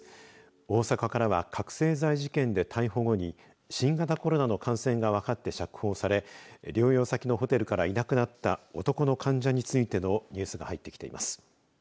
大阪からは覚醒剤事件で逮捕後に、新型コロナの感染が分かって釈放され療養先のホテルからいなくなった男の患者についてのニュースが入ってきています。